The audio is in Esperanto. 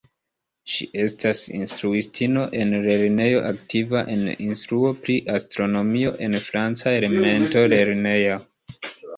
Ŝi estas instruistino en lernejo, aktiva en instruo pri astronomio en franca elementa lernejo.